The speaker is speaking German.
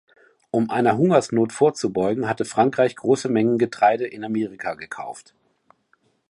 Um einer Hungersnot vorzubeugen, hatte Frankreich große Mengen Getreide in Amerika gekauft.